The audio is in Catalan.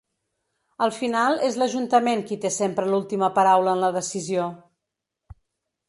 Al final és l’ajuntament qui té sempre l’última paraula en la decisió.